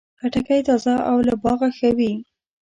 خټکی تازه او له باغه ښه وي.